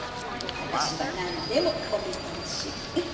私はなんでもお見通し。